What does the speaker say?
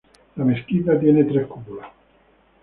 La mezquita tiene tres cúpulas.